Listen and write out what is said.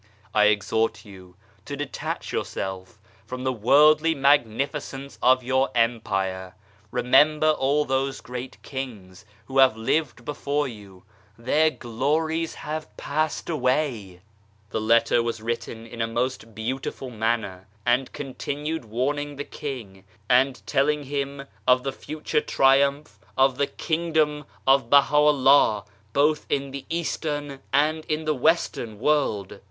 "I exhort you to detach yourself from the worldly magnificence of your Empire. Remember all those great Kings who have lived before you their glories have passed away !" The letter was written in a most beautiful manner, and continued warning the King and telling him of the future triumph of the Kingdom of BahaVllah, both in the Eastern and in the Western World.